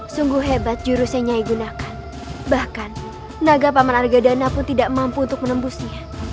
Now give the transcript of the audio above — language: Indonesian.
sungguh hebat jurus yang nyai gunakan bahkan naga paman argadana pun tidak mampu untuk menembusnya